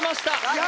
いや